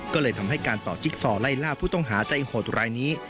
ก็เลยทำให้การต่อจิ๊กซอไล่ล่าผู้ต้องหาใจโหดรายนี้